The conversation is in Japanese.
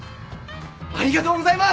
ありがとうございます！